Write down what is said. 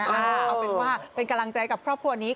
เอาเป็นว่าเป็นกำลังใจกับครอบครัวนี้